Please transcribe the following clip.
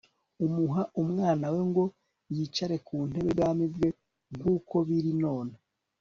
umuha umwana we ngo yicare ku ntebe y'ubwami bwe, nk'uko biri none